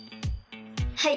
はい！